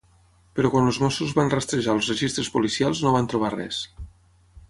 Però quan els Mossos van rastrejar els registres policials no van trobar res.